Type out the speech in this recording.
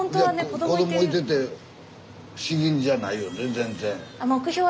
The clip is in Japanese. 子どもいてて不思議じゃないよね全然。